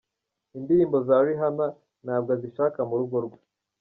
Indirimbo za Rihanna ntabwo azishaka mu rugo rwe.